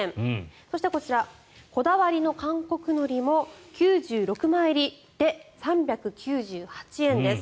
そして、こちらこだわりの韓国のりも９６枚入りで３９８円です。